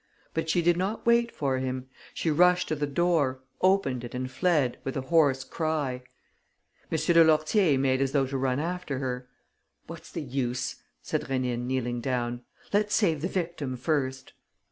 But she did not wait for him. She rushed to the door, opened it and fled, with a hoarse cry. M. de Lourtier made as though to run after her. "What's the use?" said Rénine, kneeling down, "Let's save the victim first."